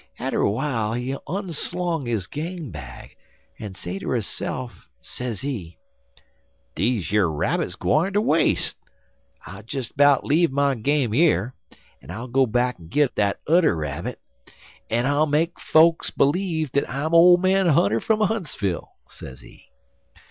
Atter while he onslung his game bag, en say ter hisse'f, sezee: "'Deze yer rabbits gwine ter was'e. I'll des 'bout leave my game yer, en I'll go back'n git dat udder rabbit, en I'll make fokes b'leeve dat I'm ole man Hunter fum Huntsville,' sezee.